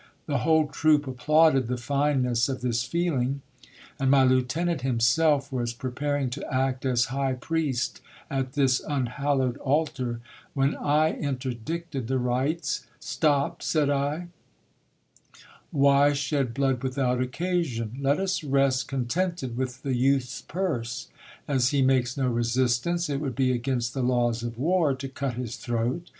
The whole troop applauded the fineness of this feeling, and my lieutenant himself was pre paring to act as high priest at this unhallowed altar, when I interdicted the rites. Stop, said I ; why shed blood without occasion ? Let us rest contented with the youth's purse. As he makes no resistance, it would be against the laws of war to cut his throat.